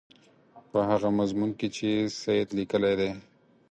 په هغه مضمون کې چې سید لیکلی دی.